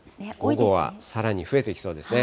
午後はさらに増えていきそうですね。